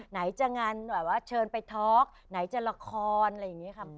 ไหนจะงานแบบว่าเชิญไปทอล์กไหนจะละครอะไรอย่างนี้ค่ะ